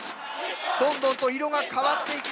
どんどんと色が変わっていく。